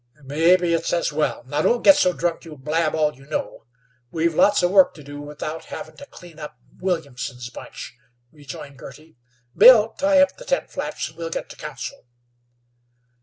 "Mebbe it's as well. Now, don't git so drunk you'll blab all you know. We've lots of work to do without havin' to clean up Williamson's bunch," rejoined Girty. "Bill, tie up the tent flaps an' we'll git to council."